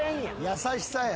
優しさや。